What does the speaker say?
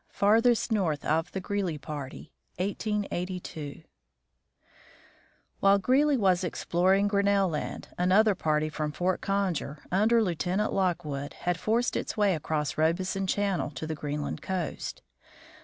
XIV. FARTHEST NORTH OF THE GREELY PARTY 1882 While Greely was exploring Grinnell land, another party from Fort Conger, under Lieutenant Lockwood, had forced its way across Robeson channel to the Greenland coast.